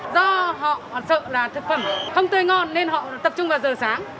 do họ sợ là thực phẩm không tươi ngon nên họ tập trung vào giờ sáng